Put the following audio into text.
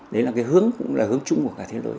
đấy là hướng trung của cả thế lưới